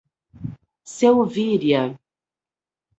Selvíria